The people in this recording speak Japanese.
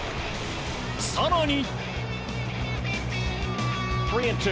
更に。